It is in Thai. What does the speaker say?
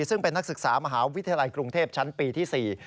ซึ่งเป็นนักศึกษามหาวิทยาลัยกรุงเทพชั้นปีที่๔